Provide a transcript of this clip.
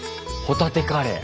ホタテカレー。